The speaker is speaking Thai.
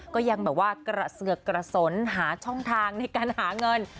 ก็ยังแบบว่ากระเสือกกระสนหาช่องทางในการหาเงิน